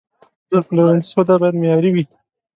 د پلورنځي سودا باید معیاري وي.